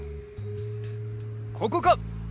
ここか！